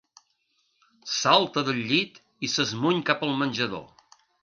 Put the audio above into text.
Salta del llit i s'esmuny cap al menjador.